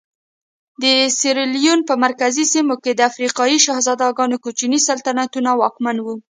د سیریلیون په مرکزي سیمو کې د افریقایي شهزادګانو کوچني سلطنتونه واکمن وو.